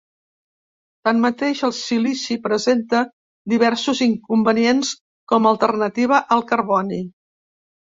Tanmateix, el silici presenta diversos inconvenients com a alternativa al carboni.